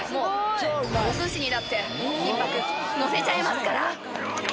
お寿司にだって金箔のせちゃいますから！